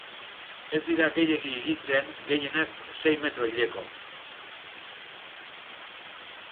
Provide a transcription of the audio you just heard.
Ez dira gehiegi higitzen, gehienez sei metro hileko.